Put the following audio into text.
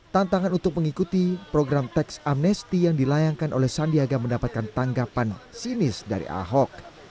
tantangan untuk mengikuti program teks amnesti yang dilayangkan oleh sandiaga mendapatkan tanggapan sinis dari ahok